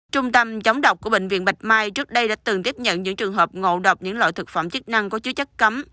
trung tâm chống độc của bệnh viện bạch mai trước đây đã từng tiếp nhận những trường hợp ngộ độc những loại thực phẩm chức năng có chứa chất cấm